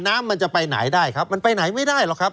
น้ำมันจะไปไหนได้ครับมันไปไหนไม่ได้หรอกครับ